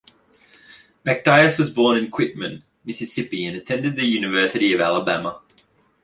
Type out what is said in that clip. McDyess was born in Quitman, Mississippi and attended the University of Alabama.